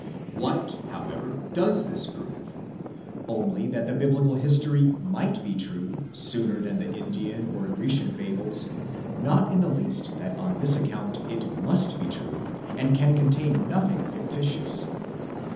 What however does this prove? Only that the biblical history mzght be true, sooner than the Indian or Grecian fables; not in the least that on this account it mast be true, and can contain nothing fictitious.